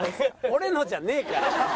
俺のじゃねえから。